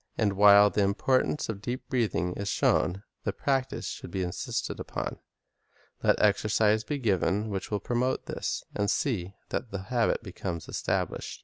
And while the importance of deep breathing is shown, the practise should be insisted upon. Let exercises be given which will promote this, and see that the habit becomes established.